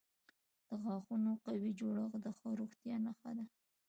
د غاښونو قوي جوړښت د ښه روغتیا نښه ده.